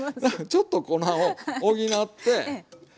ちょっと粉を補って。